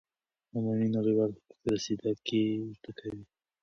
عمومی نړیوال حقوق رسیده ګی ورته کوی